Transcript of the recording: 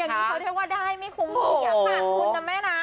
อย่างนี้เขาเที่ยวว่าได้ไม่คุ้มอย่างห่างคุณนะแม่นะ